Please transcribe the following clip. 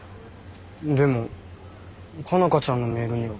でも佳奈花ちゃんのメールには。